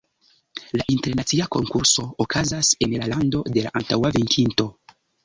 La internacia konkurso okazas en la lando de la antaŭa venkinto.